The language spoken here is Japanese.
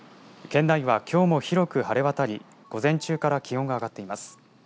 県内は、きょうも広く晴れ渡り午前中から気温が上がっています。